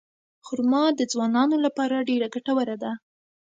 خرما د ځوانانو لپاره ډېره ګټوره ده.